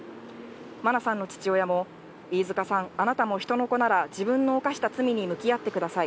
真菜さんの父親も、飯塚さん、あなたも人の子なら自分の犯した罪に向き合ってください。